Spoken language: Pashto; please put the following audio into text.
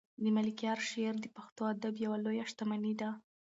د ملکیار شعر د پښتو ادب یوه لویه شتمني ده.